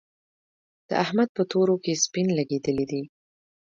د احمد په تورو کې سپين لګېدلي دي.